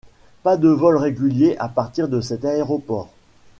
Pas de vols réguliers à partir de cet aéroport.